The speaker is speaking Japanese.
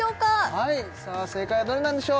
はい正解はどれなんでしょう？